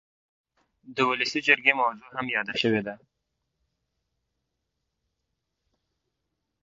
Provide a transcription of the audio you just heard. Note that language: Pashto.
د ولسي جرګې موضوع هم یاده شوې ده.